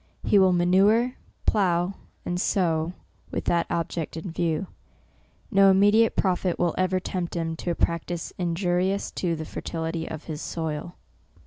He will manure, plough and sow, with that object in view. No immediate pro tit will ever tempt him to a practice injurious to the fertility of his soil.